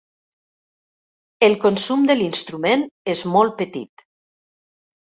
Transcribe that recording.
El consum de l’instrument és molt petit.